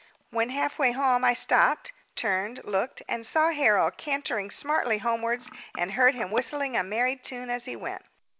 When half way home I stopped, turned, looked, and saw Harold cantering smartly homewards, and heard him whistling a merry tune as he went.